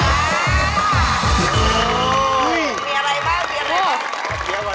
มีอะไรบ้าง